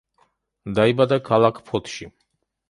დაიბადა ქალაქ ფოთში.